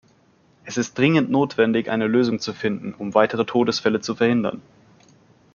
Es ist dringend notwendig, eine Lösung zu finden, um weitere Todesfälle zu verhindern.